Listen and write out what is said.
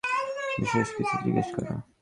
বিশেষ কিছু জিজ্ঞেস করা।